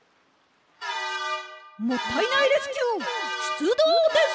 もったいないレスキューしゅつどうです！